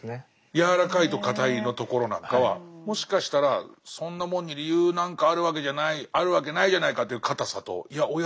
「やわらかいと硬い」のところなんかはもしかしたらそんなもんに理由なんかあるわけじゃないあるわけないじゃないかっていう硬さといやおや？